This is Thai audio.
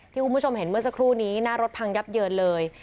คุณผู้ชมเห็นเมื่อสักครู่นี้หน้ารถพังยับเยินเลย